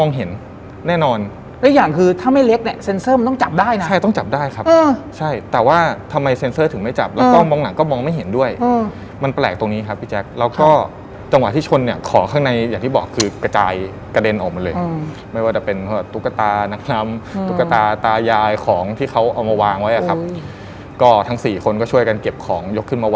แน่นอนและอย่างคือถ้าไม่เล็กเนี่ยเซ็นเซอร์มันต้องจับได้นะใช่ต้องจับได้ครับใช่แต่ว่าทำไมเซ็นเซอร์ถึงไม่จับแล้วก็มองหนังก็มองไม่เห็นด้วยมันแปลกตรงนี้ครับพี่แจ๊คแล้วก็จังหวะที่ชนเนี่ยของข้างในอย่างที่บอกคือกระจายกระเด็นออกมาเลยไม่ว่าจะเป็นตุ๊กตานักดำตุ๊กตาตายายของที่เขาเอามาวางไว้อ่ะครับก็ทั้งสี่คนก็ช่วยกันเก็บของยกขึ้นมา